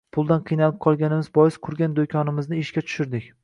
Puldan qiynalib qolganimiz bois qurgan do`konimizni ishga tushirdik